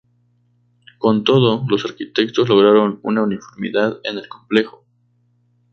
Con todo, los arquitectos lograron una uniformidad en el complejo.